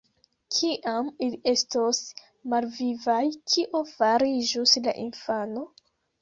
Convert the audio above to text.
Kiam ili estos malvivaj, kio fariĝus la infano?